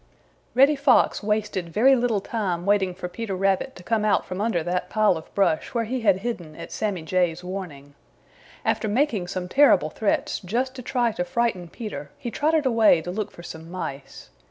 Reddy Fox wasted very little time waiting for Peter Rabbit to come out from under that pile of brush where he had hidden at Sammy Jay's warning. After making some terrible threats just to try to frighten Peter, he trotted away to look for some Mice.